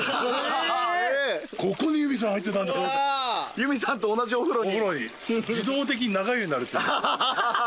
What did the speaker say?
由美さんと同じお風呂に。